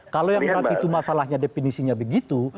kalau yang berat itu masalahnya definisinya begitu